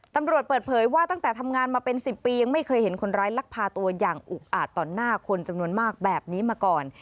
ตำรวจเปิดเผยว่าตั้งแต่ทำงานมาเป็น๑๐ปียังไม่เคยเห็นคนร้ายลักพาตัวอย่างอุกอาจต่อหน้าคนจำนวนมากแบบนี้มาก่อน